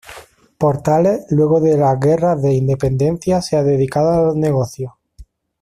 Portales luego de las guerras de Independencia se ha dedicado a los negocios.